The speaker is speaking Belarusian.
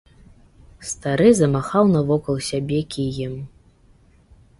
Стары замахаў навокал сябе кіем.